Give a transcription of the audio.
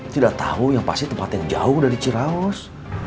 tidak tahu yang pasti tempat yang jauh dari ciraus